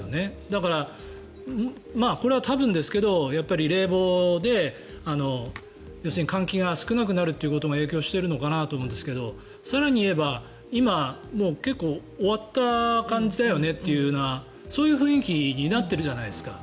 だから、これは多分ですけど冷房で換気が少なくなるということが影響しているのかなと思うんですけど更に言えば、今、結構終わった感じだよねというそういう雰囲気になっているじゃないですか。